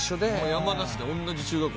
山梨でおんなじ中学校。